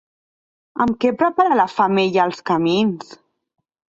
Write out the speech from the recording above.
Amb què prepara la femella els camins?